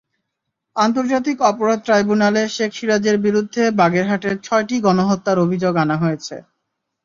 আন্তর্জাতিক অপরাধ ট্রাইবুন্যালে শেখ সিরাজের বিরুদ্ধে বাগেরহাটের ছয়টি গণহত্যার অভিযোগ আনা হয়েছে।